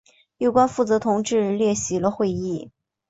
有关负责同志列席了会议。